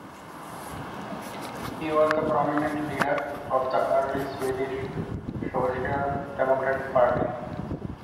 He was a prominent leader of the early Swedish Social Democratic Party.